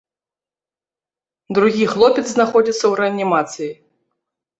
Другі хлопец знаходзіцца ў рэанімацыі.